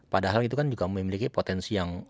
padahal itu kan juga memiliki potensi yang